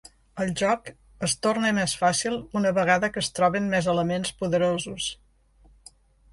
El joc es torna més fàcil una vegada que es troben més elements poderosos.